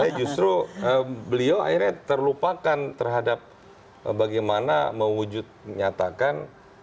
saya justru beliau akhirnya terlupakan terhadap bagaimana mewujud menyatakan